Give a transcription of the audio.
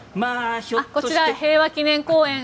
こちら、平和記念公園